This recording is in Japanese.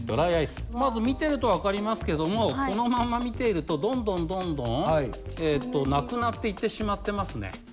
まず見てると分かりますけどもこのまんま見ているとどんどんどんどん無くなっていってしまってますね。